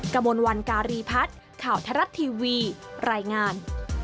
กระมวลวันการีพัฒน์ข่าวทรัฐทีวีรายงาน